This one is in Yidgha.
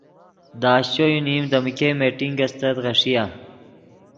دے اشچو یو نیم دے من ګئے میٹنگ استت غیݰیآ۔